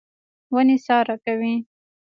ونې سا راکوي.